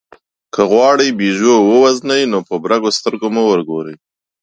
که غواړئ بېزو ووژنئ نو په برګو سترګو مه ورګورئ.